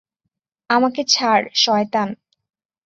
আমাকে ছাড়, সয়তান!